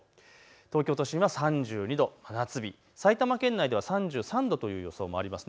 東京都心は３２度、真夏日、埼玉県内では３３度という予想もあります。